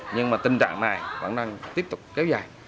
nhưng mà tình trạng này vẫn đang tiếp tục kéo dài